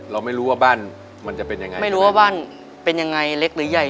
เราไม่รู้ว่าบ้านมันจะเป็นยังไงไม่รู้ว่าบ้านเป็นยังไงเล็กหรือใหญ่